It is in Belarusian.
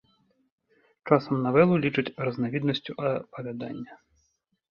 Часам навелу лічаць разнавіднасцю апавядання.